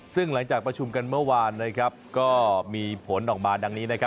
ซึ่งหลังจากประชุมกันเมื่อวานก็มีผลออกมาดังนี้